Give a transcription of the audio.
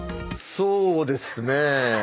そうですね。